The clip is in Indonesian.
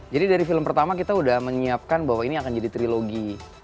jadi dari film pertama kita udah menyiapkan bahwa ini akan jadi trilogi